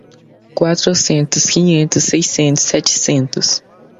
Quatrocentos, quinhentos, seiscentos, setecentos